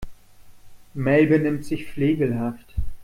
Mel benimmt sich flegelhaft.